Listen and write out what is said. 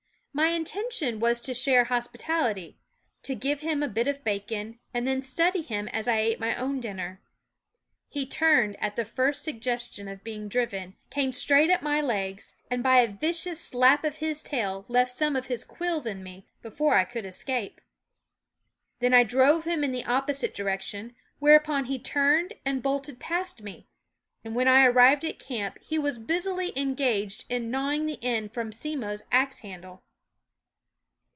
My intention was to share hospitality ; to give him a bit of bacon, and then study him as I ate my own dinner. He turned at the first suggestion of being driven, came straight at my legs, and by a vicious slap of his tail left some of his quills in me before I could escape. Then I drove him in the opposite direction, whereupon he turned and bolted past me ; and when I arrived at camp he was busily engaged in gnawing the end from Simmo's ax handle.